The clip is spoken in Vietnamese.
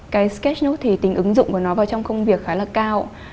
cái sketch note thì tính ứng dụng của nó vào trong công việc khá là cao